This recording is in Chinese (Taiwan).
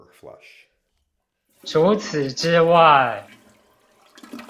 除此之外